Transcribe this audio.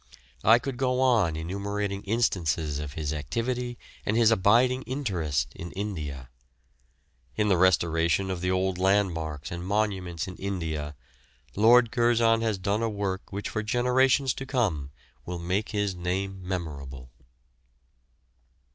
I could go on enumerating instances of his activity and his abiding interest in India. In the restoration of the old landmarks and monuments in India, Lord Curzon has done a work which for generations to come will make his name memorable.